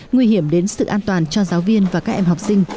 nguy hiểm đến sự an toàn cho giáo viên và các em học sinh